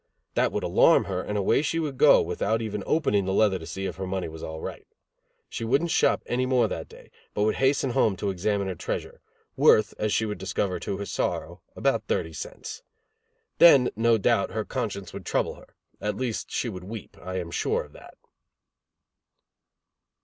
That would alarm her and away she would go without even opening the leather to see if her money was all right. She wouldn't shop any more that day, but would hasten home to examine her treasure worth, as she would discover to her sorrow, about thirty cents. Then, no doubt, her conscience would trouble her. At least, she would weep; I am sure of that.